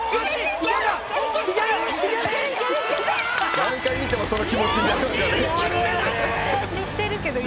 何回見てもその気持ちになりますよね。